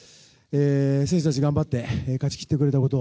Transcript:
選手たちが頑張って勝ち切ってくれたこと